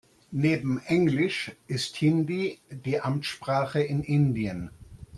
Neben englisch ist Hindi die Amtssprache in Indien.